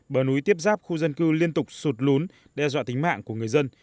bờ núi tiếp ráp khu dân cư liên tục sụt lún đe dọa tính mạng của người dân